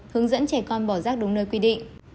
hướng dẫn trẻ con bỏ rác đúng nơi quy định